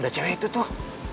ada cewek itu tuh